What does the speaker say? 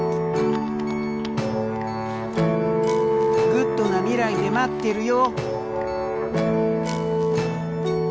Ｇｏｏｄな未来で待ってるよ。